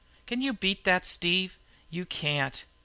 "Can you beat that, Steve? You can't!